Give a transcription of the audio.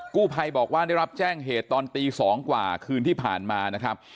กู้ภัยบอกว่าได้รับแจ้งเหตุตอนตี๒กว่าคืนที่ผ่านมานะครับ